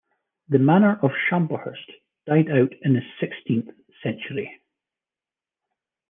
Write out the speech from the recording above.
The Manor of Shamblehurst died out in the sixteenth century.